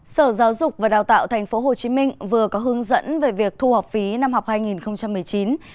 sở giáo dục và đào tạo tp hcm vừa có hướng dẫn về việc thu học phí năm học hai nghìn một mươi chín hai nghìn hai mươi